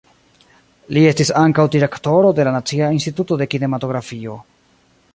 Li estis ankaŭ direktoro de la Nacia Instituto de Kinematografio.